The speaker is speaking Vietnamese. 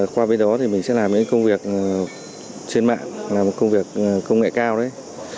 qua bên đó thì mình sẽ làm những công việc trên mạng làm công việc công nghệ cao đấy